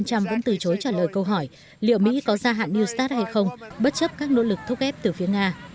nga đã từ chối trả lời câu hỏi liệu mỹ có ra hạn new start hay không bất chấp các nỗ lực thúc ép từ phía nga